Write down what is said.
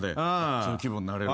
そういう気分になれる？